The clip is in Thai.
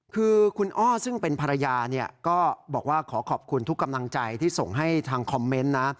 คือคุณอ้อซึ่งเป็นภรรยาก็บอกว่าขอขอบคุณทุกกำลังใจที่ส่งให้ทางคอมเมนต์นะ